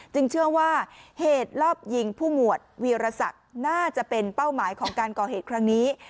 เชื่อว่าเหตุรอบยิงผู้หมวดวีรศักดิ์น่าจะเป็นเป้าหมายของการก่อเหตุครั้งนี้